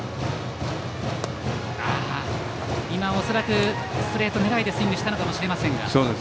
恐らくストレート狙いでスイングしたのかもしれません。